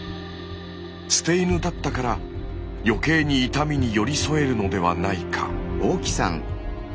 捨て犬だったから余計に痛みに寄り添えるのではないか？